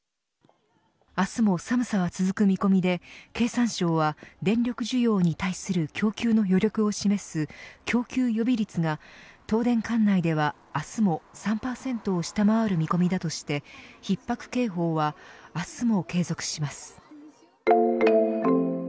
明日も寒さは続く見込みで経産省は電力需要に対する供給の余力を示す供給予備率が東電管内では明日も３％を下回る見込みだとしてひっ迫警報は明日も継続します。